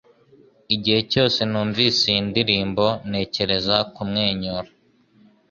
Igihe cyose numvise iyi ndirimbo ntekereza kumwenyura